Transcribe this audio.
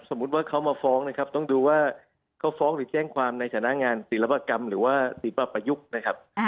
สมมุติว่าเขามาฟ้องนะครับต้องดูว่าเขาฟ้องหรือแจ้งความในฐานะงานศิลปกรรมหรือว่าศิลปะประยุกต์นะครับ